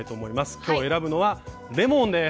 今日選ぶのはレモンです。